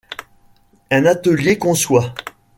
Un atelier conçoit.